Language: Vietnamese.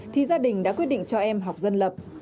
thì gia đình đã quyết định cho em học dân lập